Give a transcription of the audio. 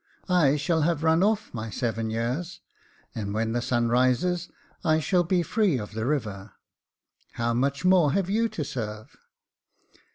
I shall have run off my seven years, and when the sun rises, I shall be free of the river. How much more have you to serve